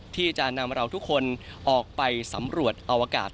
ที่จะนำเราทุกคนออกไปสำรวจอวกาศ